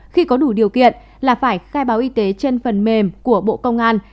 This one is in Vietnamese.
khi có đủ điều kiện là phải khai báo y tế trên phần mềm của bộ công an